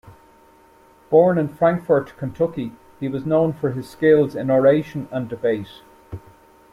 Born in Frankfort, Kentucky, he was known for his skills in oration and debate.